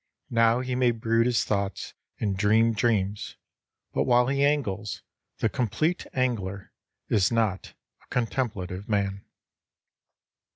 Now he may brood his thoughts, and dream dreams; but while he angles, the complete angler is not a contemplative man.